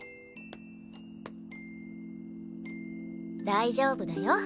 大丈夫だよ。